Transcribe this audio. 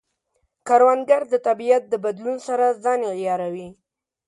کروندګر د طبیعت د بدلون سره ځان عیاروي